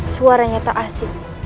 suaranya tak asik